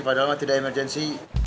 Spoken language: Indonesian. padahal mah tidak emergency